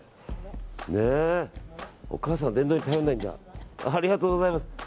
お母さん、おはようございます。